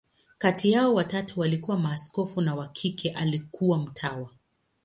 Kati yao, watatu walikuwa maaskofu, na wa kike alikuwa mtawa.